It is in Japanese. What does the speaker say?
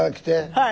はい。